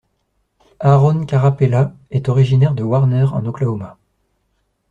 Aaron Carapella est originaire de Warner, en Oklahoma.